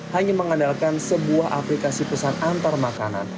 hanya mengandalkan sebuah aplikasi pesan antar makanan